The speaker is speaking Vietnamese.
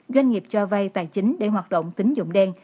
doanh nghiệp cho vay tài chính để hoạt động tính dụng đen